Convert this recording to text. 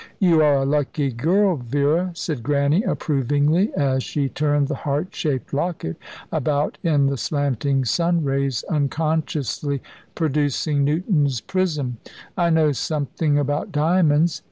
"You are a lucky girl, Vera," said Grannie approvingly, as she turned the heart shaped locket about in the slanting sun rays, unconsciously producing Newton's prism. "I know something about diamonds.